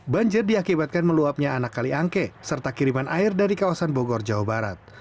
banjir diakibatkan meluapnya anak kaliangke serta kiriman air dari kawasan bogor jawa barat